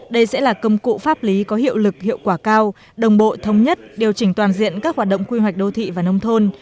đây sẽ là công cụ pháp lý có hiệu lực hiệu quả cao đồng bộ thống nhất điều chỉnh toàn diện các hoạt động quy hoạch đô thị và nông thôn